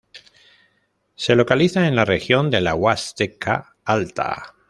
Se localiza en la región de la Huasteca Alta.